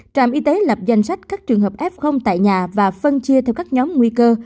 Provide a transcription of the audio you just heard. trạm y tế lập danh sách các trường hợp f tại nhà và phân chia theo các nhóm nguy cơ